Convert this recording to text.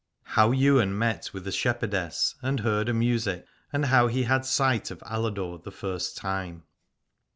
HOW YWAIN MET WITH A SHEPHERDESS AND HEARD A MUSIC, AND HOW HE HAD SIGHT OF ALADORE THE FIRST TIME.